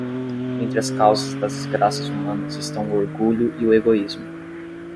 Entre as causas das desgraças humanas estão o orgulho e o egoísmo